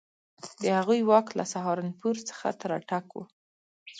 د هغوی واک له سهارنپور څخه تر اټک وو.